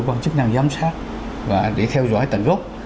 các quán chức năng giám sát và để theo dõi tận gốc